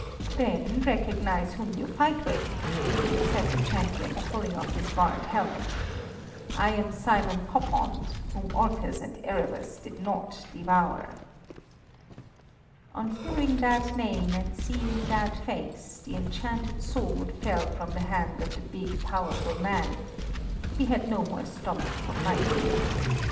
"Then recognize whom you fight with," said the champion, pulling off his barred helmet; "I am Simon Koppand, whom Orcus and Erebus did not devour." On hearing that name and seeing that face, the enchanted sword fell from the hand of the big powerful man; he had no more stomach for fighting.